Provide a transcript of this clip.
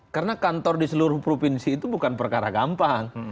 karena kantor di seluruh provinsi itu bukan perkara gampang